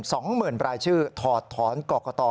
สองหมื่นรายชื่อถอดถอนกรกต